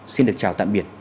xin được chào tạm biệt